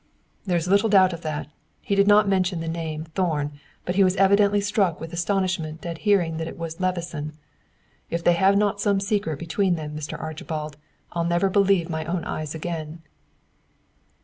"There's little doubt of that. He did not mention the name, Thorn; but he was evidently struck with astonishment at hearing that it was Levison. If they have not some secret between them, Mr. Archibald, I'll never believe my own eyes again."